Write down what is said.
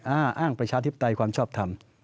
อ้างประชาธิปไตยความชอบทำ